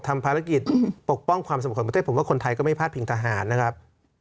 ทำภารกิจปกป้องความสมควรประเทศผมว่าคนไทยก็ไม่พลาดพิงทหารนะครับ